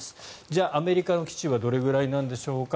じゃあ、アメリカの基地はどれぐらいなんでしょうか。